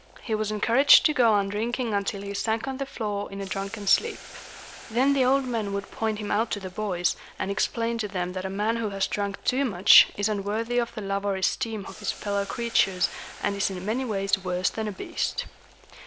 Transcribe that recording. He was encouraged to go on drinking until he sank on the floor in a drunken sleep. Then the old men would point him out to the boys, and explain to them that a man who has drunk too much is unworthy of the love or esteem of his fellow creatures, and is in many ways worse than a beast.